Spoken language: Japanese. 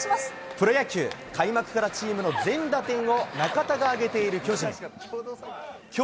プロ野球、開幕からチームの全打点を中田が挙げている巨人。